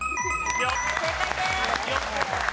正解です。